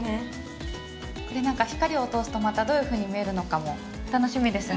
これ何か光を通すとまたどういうふうに見えるのかも楽しみですね。